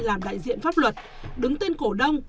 làm đại diện pháp luật đứng tên cổ đông